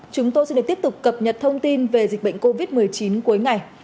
chúng tôi sẽ được tiếp tục cập nhật thông tin về dịch bệnh covid một mươi chín cuối ngày